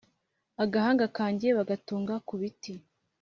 agahanga kanjye bagatunga ku biti